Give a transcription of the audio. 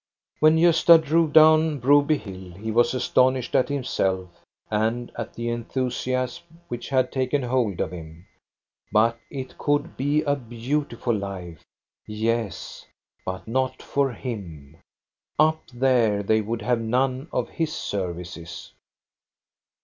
When Gosta drove down Broby hill, he was as tonished at himself and at the enthusiasm which had taken hold of him. But it could be a beautiful life — yes, but not for him. Up there they would have none of his services.